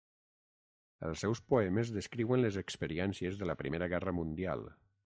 Els seus poemes descriuen les experiències de la Primera Guerra Mundial.